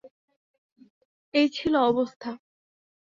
এই ছিল অবস্থা।